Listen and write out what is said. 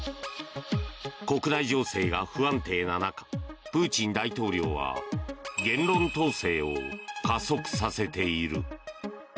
国内情勢が不安定な中プーチン大統領は言論統制を加速させている。